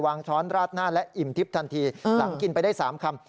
ช้อนราดหน้าและอิ่มทิพย์ทันทีหลังกินไปได้๓คำ